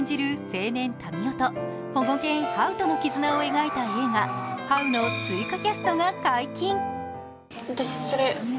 青年・民夫と、保護犬・ハウとの絆を描いた映画「ハウ」の追加キャストが解禁。